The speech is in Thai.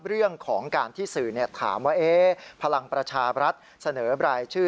เรื่องของการที่สื่อถามว่าพลังประชาบรัฐเสนอบรายชื่อ